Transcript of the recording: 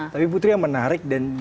tapi putri yang menarik dan